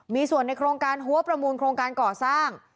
มีส่วนในโครงการหัวประมูลโครงการก่อสร้าง